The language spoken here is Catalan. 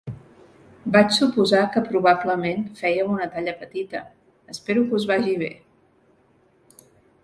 Vaig suposar que probablement fèieu una talla petita, espero que us vagi bé!